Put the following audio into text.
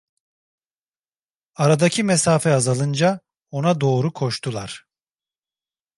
Aradaki mesafe azalınca ona doğru koştular.